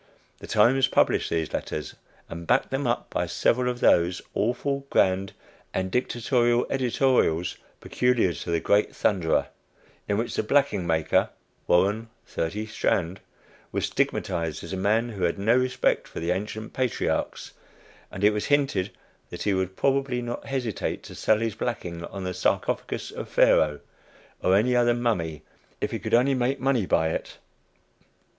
The Times published these letters, and backed them up by several of those awful, grand and dictatorial editorials peculiar to the great "Thunderer," in which the blacking maker, "Warren, 30 Strand," was stigmatized as a man who had no respect for the ancient patriarchs, and it was hinted that he would probably not hesitate to sell his blacking on the sarcophagus of Pharaoh, "or any other" mummy, if he could only make money by it.